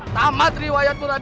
tamat riwayatmu muradin